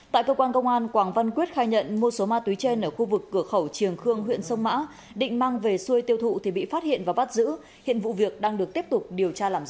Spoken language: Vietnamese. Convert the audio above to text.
tại cơ quan công an quảng văn quyết khai nhận mua số ma túy trên ở khu vực cửa khẩu triềng khương huyện sông mã định mang về xuôi tiêu thụ thì bị phát hiện và bắt giữ hiện vụ việc đang được tiếp tục điều tra làm rõ